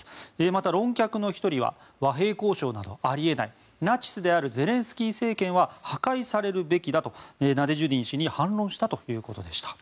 また、論客の１人は和平交渉などあり得ないナチスであるゼレンスキー政権は破壊されるべきだとナデジュディン氏に反論したということでした。